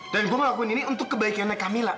dan gue ngelakuin ini untuk kebaikannya camilla